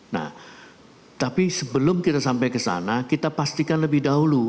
nah tapi sebelum kita sampai ke sana kita pastikan lebih dahulu